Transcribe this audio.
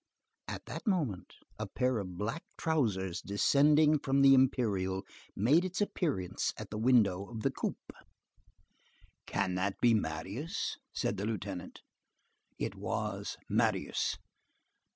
At that moment a pair of black trousers descending from the imperial, made its appearance at the window of the coupé. "Can that be Marius?" said the lieutenant. It was Marius.